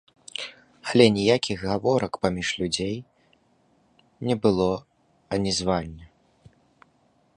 Але ніякіх гаворак паміж людзей не было анізвання.